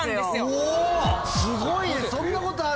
すごい。